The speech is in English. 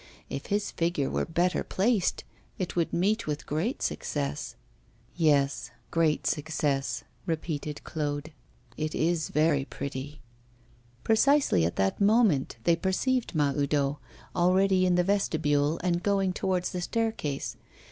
If his figure were better placed, it would meet with great success.' 'Yes, great success,' repeated Claude. 'It is very pretty.' Precisely at that moment they perceived Mahoudeau, already in the vestibule, and going towards the staircase.